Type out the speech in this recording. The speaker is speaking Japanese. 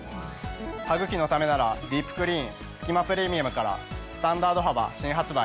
「歯ぐきのためならディープクリーンすき間プレミアム」からスタンダード幅新発売。